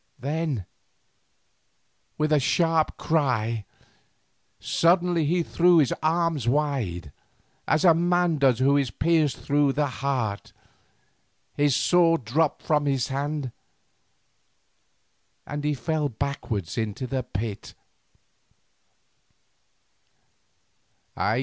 Then, with a sharp cry, suddenly he threw his arms wide, as a man does who is pierced through the heart; his sword dropped from his hand, and he fell backwards into the pit.